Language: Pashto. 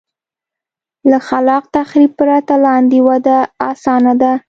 له خلاق تخریب پرته لاندې وده اسانه ده.